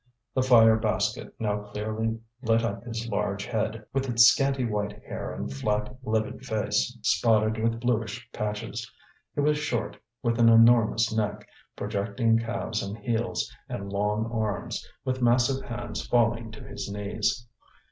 The fire basket now clearly lit up his large head, with its scanty white hair and flat, livid face, spotted with bluish patches. He was short, with an enormous neck, projecting calves and heels, and long arms, with massive hands falling to his knees.